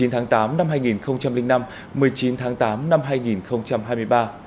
một mươi tháng tám năm hai nghìn năm một mươi chín tháng tám năm hai nghìn hai mươi ba